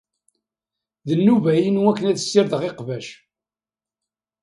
D nnuba-inu akken ad ssirdeɣ iqbac.